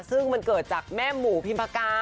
ซึ่งมันเกิดจากแม่หมูพิมพากา